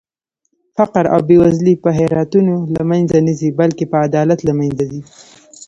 فقر او بې وزلي په خيراتونو لمنخه نه ځي بلکې په عدالت لمنځه ځي